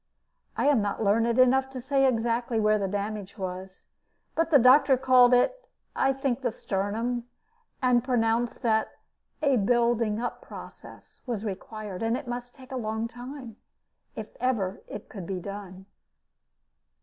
I am not learned enough to say exactly where the damage was, but the doctor called it, I think, the sternum, and pronounced that "a building up process" was required, and must take a long time, if it ever could be done.